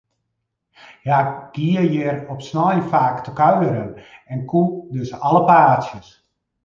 Hja gie hjir op snein faak te kuierjen, en koe dus alle paadsjes.